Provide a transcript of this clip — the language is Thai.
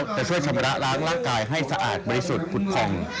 ก็จะช่วยชำระล้างดิจให้สะอาดดีสุดผุดของ